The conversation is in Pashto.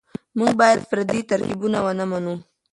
موږ بايد پردي ترکيبونه ونه منو.